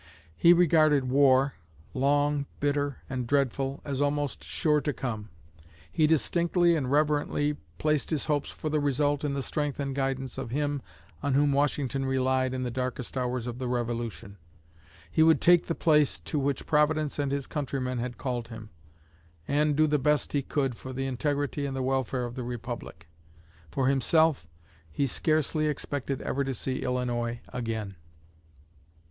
He regarded war long, bitter, and dreadful as almost sure to come. He distinctly and reverently placed his hopes for the result in the strength and guidance of Him on whom Washington relied in the darkest hours of the Revolution. He would take the place to which Providence and his countrymen had called him, and do the best he could for the integrity and the welfare of the Republic. For himself, he scarcely expected ever to see Illinois again."